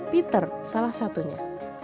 peter salah satunya